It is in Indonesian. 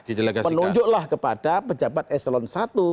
menunjuklah kepada pejabat eselon i